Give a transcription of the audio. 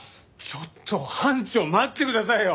ちょっと班長待ってくださいよ！